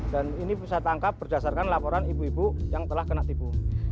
dan ini bisa ditangkap berdasarkan laporan ibu ibu yang telah kena tipu